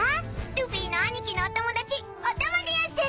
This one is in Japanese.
ルフィの兄貴のお友達お玉でやんす！